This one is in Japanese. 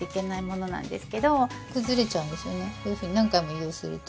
こういうふうに何回も移動すると。